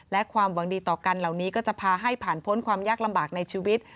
และความหวังดีต่อกันเหล่านี้ก็จะพาให้ผ่านพ้นความยากลำบากในชีวิต